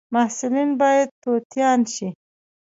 محصلین باید توتیان شي